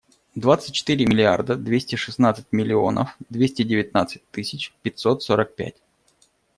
Двадцать четыре миллиарда двести шестнадцать миллионов двести девятнадцать тысяч пятьсот сорок пять.